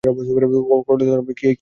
করলে করতাম, কি এমন ক্ষতি হতো?